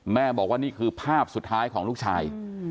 บอกว่านี่คือภาพสุดท้ายของลูกชาย